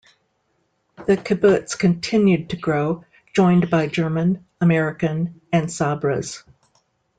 The kibbutz continued to grow, joined by German, American, and Sabras.